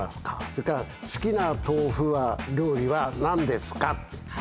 それから好きな豆腐は料理は何ですか？